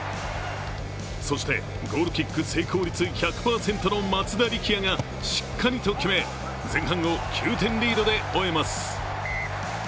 そしてゴールキック成功率１００％の松田力也がしっかりと決め前半を９点リードで終えます。